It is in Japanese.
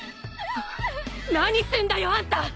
何すんだよあんた！